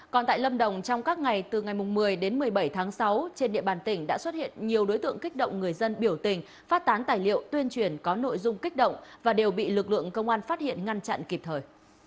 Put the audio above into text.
còn tại lâm đồng trong các ngày từ ngày một mươi đến một mươi bảy tháng sáu trên địa bàn tỉnh đã xuất hiện nhiều đối tượng kích động người dân biểu tình phát tán tài liệu tuyên truyền có nội dung kích động và đều bị lực lượng công an phát hiện ngăn chặn kịp thời